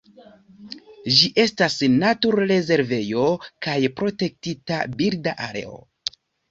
Ĝi estas naturrezervejo kaj Protektita birda areo.